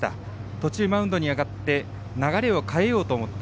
途中、マウンドに上がって流れを変えようと思った。